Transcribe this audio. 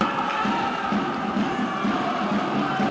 สวัสดีครับ